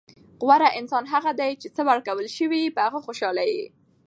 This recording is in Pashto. غوره انسان هغه دئ، چي څه ورکول سوي يي؛ په هغه خوشحال يي.